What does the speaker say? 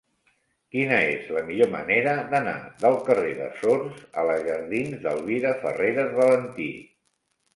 Quina és la millor manera d'anar del carrer de Sors a la jardins d'Elvira Farreras Valentí?